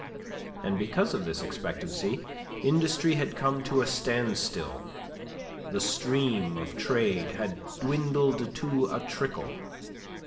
And because of this expectancy, industry had come to a standstill, the stream of trade had dwindled to a trickle.